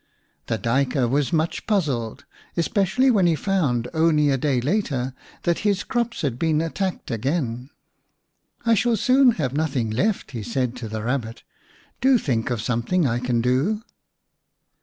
The Duyker was much puzzled, especially when he found only a day later that his crops had been attacked again. " I shall soon have nothing left," said he to the Rabbit. "Do think of something I can do."